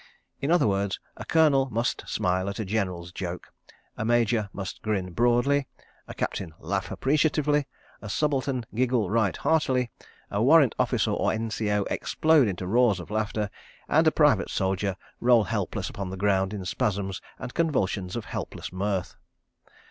In other words, a Colonel must smile at a General's joke, a Major must grin broadly, a Captain laugh appreciatively, a Subaltern giggle right heartily, a Warrant Officer or N.C.O. explode into roars of laughter, and a private soldier roll helpless upon the ground in spasms and convulsions of helpless mirth.